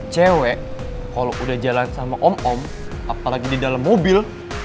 cewek kalau udah jalan sama om om apalagi di dalam mobil